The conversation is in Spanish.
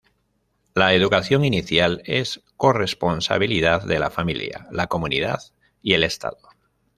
La educación inicial es corresponsabilidad de la familia, la comunidad y el Estado.